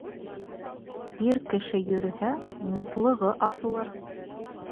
Ир кеше йөрөһә, мутлығы асылыр